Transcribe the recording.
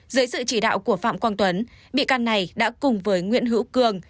dưới sự chỉ đạo của phạm quang tuấn bị can này đã cùng với nguyễn hữu cường